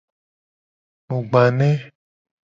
Mu gba ne.